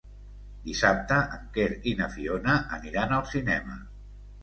Dissabte en Quer i na Fiona aniran al cinema.